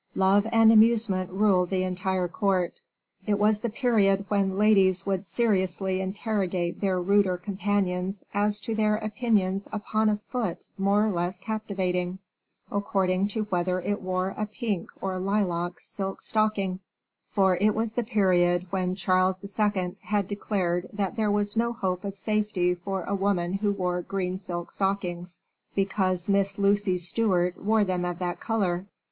Love and amusement ruled the entire court; it was the period when ladies would seriously interrogate their ruder companions as to their opinions upon a foot more or less captivating, according to whether it wore a pink or lilac silk stocking for it was the period when Charles II. had declared that there was no hope of safety for a woman who wore green silk stockings, because Miss Lucy Stewart wore them of that color.